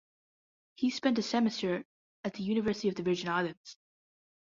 He spent a semester at the University of the Virgin Islands.